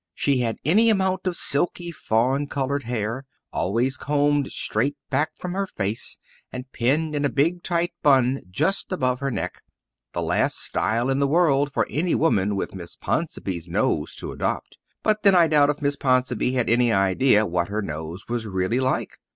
She had any amount of silky, fawn coloured hair, always combed straight back from her face, and pinned in a big, tight bun just above her neck the last style in the world for any woman with Miss Ponsonby's nose to adopt. But then I doubt if Miss Ponsonby had any idea what her nose was really like.